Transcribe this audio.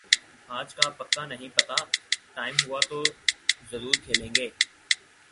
آج کا پکا نہیں پتا، ٹائم ہوا تو زرور کھیلیں گے۔